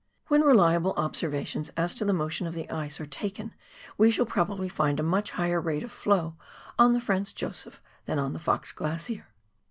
When reliable observations as to the motion of the ice are taken we shall probably find a much higher rate of flow on the Franz Josef than on the Fox Glacier.